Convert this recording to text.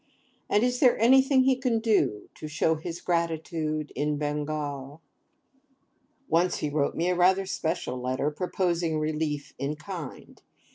And is there anything he can do to show his gratitude in Bengal? Once he wrote me rather a special letter, proposing relief in kind.